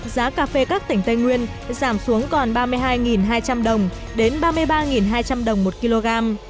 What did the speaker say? giá cà phê các tỉnh tây nguyên giảm xuống còn ba mươi hai hai trăm linh đồng đến ba mươi ba hai trăm linh đồng một kg